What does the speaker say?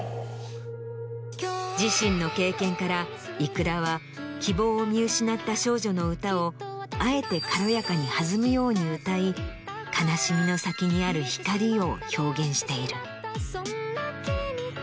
自身の経験からｉｋｕｒａは希望を見失った少女の歌をあえて軽やかに弾むように歌い悲しみの先にある光を表現している。